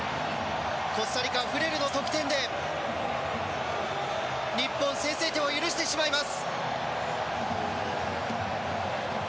コスタリカフレルの得点で日本、先制点を許してしまいます。